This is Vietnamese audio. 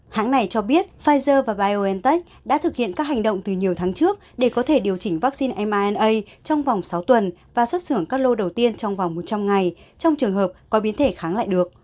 hãng này cho biết pfizer và biontech đã thực hiện các hành động từ nhiều tháng trước để có thể điều chỉnh vaccine na trong vòng sáu tuần và xuất xưởng các lô đầu tiên trong vòng một trăm linh ngày trong trường hợp có biến thể kháng lại được